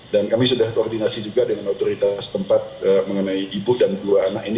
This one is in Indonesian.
dan kami sudah koordinasi juga dengan otoritas tempat mengenai ibu dan dua anak ini